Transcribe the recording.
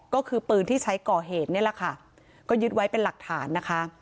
ก็คือปืนที่ใช้ก่อเหตุนี่แหละค่ะก็ยึดไว้เป็นหลักฐานนะคะ